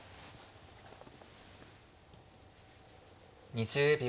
２０秒。